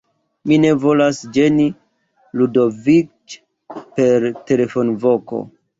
Mi ne volas ĝeni Ludoviĉ per telefonvoko.